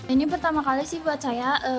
ini pertama kali sih buat saya